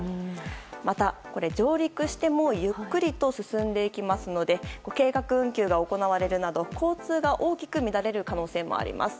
また、上陸してもゆっくりと進んでいきますので計画運休が行われるなど交通が大きく乱れる可能性もあります。